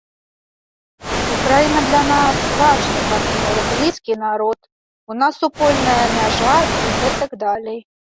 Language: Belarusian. Украіна для нас важны партнёр, блізкі народ, у нас супольная мяжа і гэтак далей.